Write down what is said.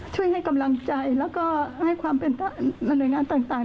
ช่วยให้กำลังใจแล้วก็ให้หน่วยงานต่าง